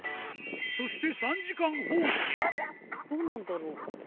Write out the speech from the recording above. そしてどうなんだろう？